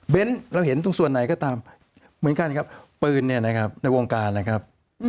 เราเห็นตรงส่วนไหนก็ตามเหมือนกันครับปืนเนี่ยนะครับในวงการนะครับ